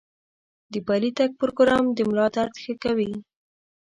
د پلي تګ پروګرام د ملا درد ښه کوي.